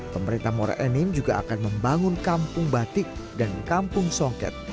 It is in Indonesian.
pemerintah mora enim juga akan membangun kampung batik dan kampung songket